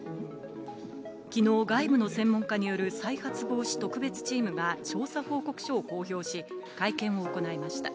きのう外部の専門家による再発防止特別チームが調査報告書を公表し、会見を行いました。